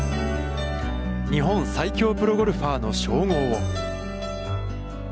日本最強プロゴルファーの称号は。